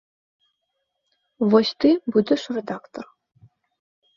Вось ты будзеш рэдактар.